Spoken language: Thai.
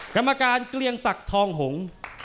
กรรมการเกลียงศักดิ์ทองหงษ์